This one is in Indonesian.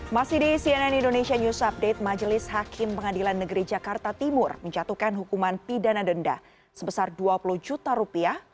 masih di cnn indonesia news update majelis hakim pengadilan negeri jakarta timur menjatuhkan hukuman pidana denda sebesar dua puluh juta rupiah